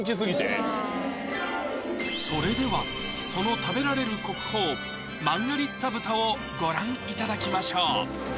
それではその食べられる国宝マンガリッツァ豚をご覧いただきましょう！